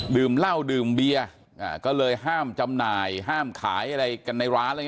ดื่มเหล้าดื่มเบียร์ก็เลยห้ามจำหน่ายห้ามขายอะไรกันในร้านอะไร